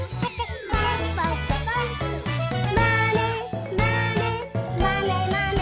「まねまねまねまね」